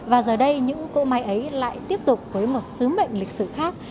và giờ đây những cỗ máy ấy lại tiếp tục với một sứ mệnh lịch sử khác